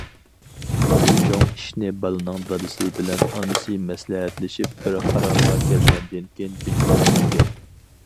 بۇ چوڭ ئىشنى بالىنىڭ دادىسى بىلەن ئانىسى مەسلىھەتلىشىپ، بىر قارارغا كەلگەندىن كېيىن بېكىتىدىغان گەپ.